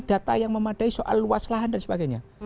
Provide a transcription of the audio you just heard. data yang memadai soal luas lahan dan sebagainya